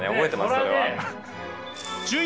それは。